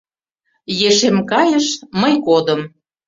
Ешем кайыш, мый кодым.